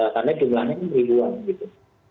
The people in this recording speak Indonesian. karena jumlahnya ini beribuan gitu